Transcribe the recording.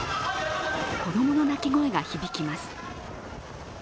子供の泣き声が響きます。